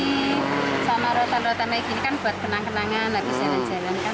sama rotan rotan kayak gini kan buat kenang kenangan